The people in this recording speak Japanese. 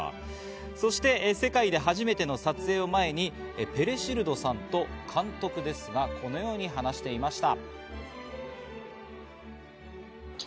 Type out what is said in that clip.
そして世界で初めての撮影を前に、ペレシルドさんと監督ですが、このように話していました。